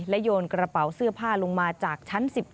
โยนกระเป๋าเสื้อผ้าลงมาจากชั้น๑๗